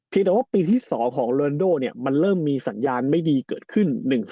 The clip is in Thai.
เพียงแต่ว่าปีที่๒ของโรนานด้วมันเริ่มมีสัญญาณไม่ดีเกิดขึ้น